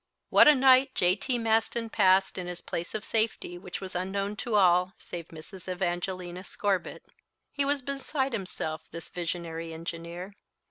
What a night J.T. Maston passed in his place of safety which was unknown to all save Mrs. Evangelina Scorbitt! He was beside himself, this visionary engineer.